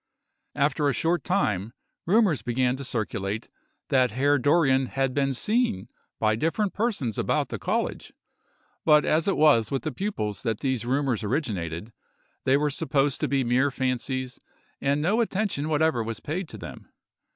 After a short time, rumors began to circulate that Herr Dorrien had been seen by different persons about the college; but as it was with the pupils that these rumors originated, they were supposed to be mere fancies, and no attention whatever was paid to them.